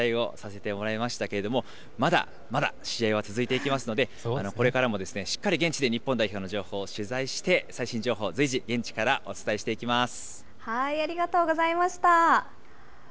日本代表ね、本当にうれしい勝利の取材をさせてもらいましたけれども、まだまだ試合は続いていきますので、これからもしっかり現地で日本代表の情報を取材して、最新情報を随時現地からお伝えしていきます。